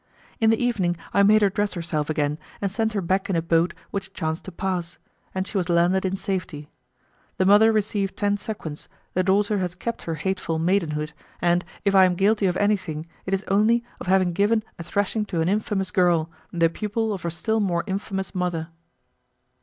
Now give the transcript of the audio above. In the evening I made her dress herself again, and sent her back in a boat which chanced to pass, and she was landed in safety. The mother received ten sequins, the daughter has kept her hateful maidenhood, and, if I am guilty of anything, it is only of having given a thrashing to an infamous girl, the pupil of a still more infamous mother.